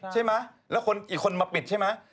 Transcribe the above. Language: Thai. ใช่มั้ยแล้วอีกคนมาปิดใช่มั้ย